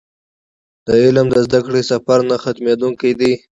د علم د زده کړې سفر نه ختمېدونکی دی.